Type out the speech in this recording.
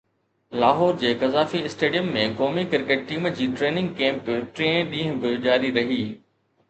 لاهور جي Gaddafi stadium ۾ قومي cricket team جي ٽريننگ ڪيمپ ٽئين ڏينهن به جاري رهي